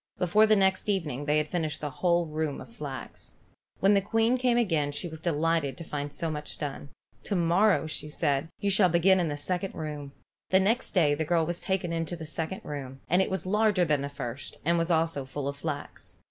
Before the next evening they had finished the whole roomful of flax. When the Queen came again she was delighted to find so much done. "To morrow," said she, "you shall begin in the second room." The next day the girl was taken into the second room, and it was larger than the first and was also full of flax.